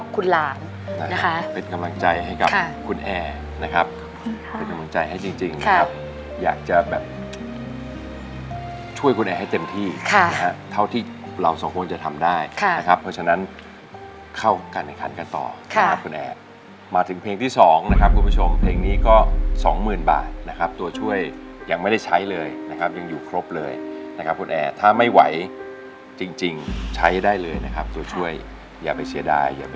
คุณแอนะครับขอบคุณค่ะเป็นกำลังใจให้จริงนะครับอยากจะแบบช่วยคุณแอให้เต็มที่ค่ะเท่าที่เราสองคนจะทำได้ค่ะเพราะฉะนั้นเข้ากันกันกันต่อค่ะคุณแอมาถึงเพลงที่สองนะครับคุณผู้ชมเพลงนี้ก็สองหมื่นบาทนะครับตัวช่วยยังไม่ได้ใช้เลยนะครับยังอยู่ครบเลยนะครับคุณแอถ้าไม่ไหวจริงใช้ได้เลยนะครับตัวช่วยอย่า